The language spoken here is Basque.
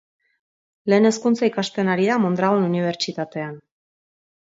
Lehen Hezkuntza ikasten ari da Mondragon Unibertsitatean.